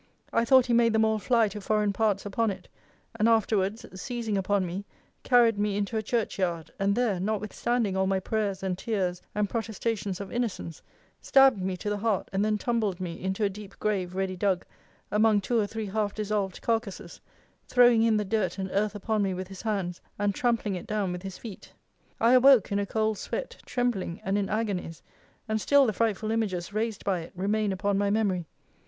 I thought he made them all fly to foreign parts upon it; and afterwards seizing upon me, carried me into a church yard; and there, notwithstanding, all my prayers and tears, and protestations of innocence, stabbed me to the heart, and then tumbled me into a deep grave ready dug, among two or three half dissolved carcases; throwing in the dirt and earth upon me with his hands, and trampling it down with his feet.' I awoke in a cold sweat, trembling, and in agonies; and still the frightful images raised by it remain upon my memory.